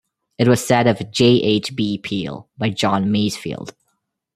It was said of J H B Peel by John Masefield.